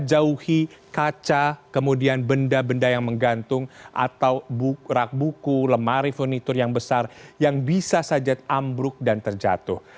jangan lupa tutupi kaca kemudian benda benda yang menggantung atau rak buku lemari furniture yang besar yang bisa saja ambruk dan terjatuh